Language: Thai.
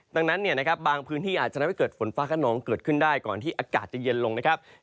ดังนั้นเนี่ยนะครับบางพื้นที่อาจจะทำให้เกิดฝนฟ้าขนองเกิดขึ้นได้ก่อนที่อากาศจะเย็นลงนะครับ